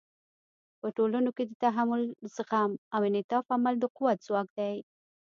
په ټولنو کې د تحمل، زغم او انعطاف عمل د قوت ځواک دی.